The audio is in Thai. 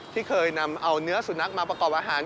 ที่เคยนำเอาเนื้อสุนัขมาประกอบอาหาร